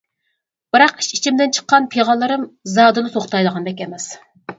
بىراق ئىچ-ئىچىمدىن چىققان پىغانلىرىم زادىلا توختايدىغاندەك ئەمەس.